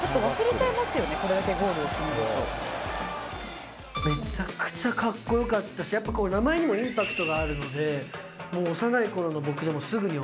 めちゃくちゃかっこよかったしやっぱ名前にもインパクトがあるのでもう幼い頃の僕でもすぐに覚えて。